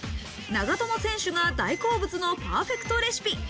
長友選手の大好物のパーフェクトレシピ。